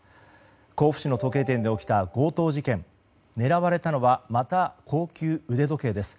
甲府市の時計店で起きた強盗事件狙われたのはまた高級腕時計です。